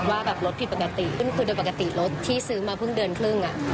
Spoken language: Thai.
ว่าแบบรถผิดปกติก็คือโดยปกติรถที่ซื้อมาเพิ่งเดือนครึ่ง